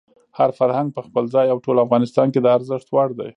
هر فرهنګ په خپل ځای او ټول افغانستان کې د ارزښت وړ دی.